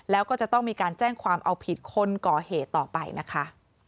แล้วก็จะต้องมีการแจ้งความเอาผิดคนก่อเหตุต่อไปนะคะ